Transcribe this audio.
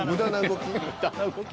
「無駄な動き」